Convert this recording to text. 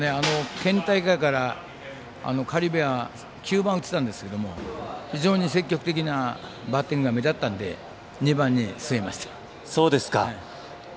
県大会から、苅部は９番を打ってたんですけど非常に積極的なバッティングが目立ったので、２番に据えました。